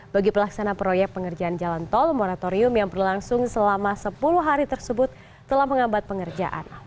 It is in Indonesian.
bagi pelaksana proyek pengerjaan jalan tol moratorium yang berlangsung selama sepuluh hari tersebut telah mengambat pengerjaan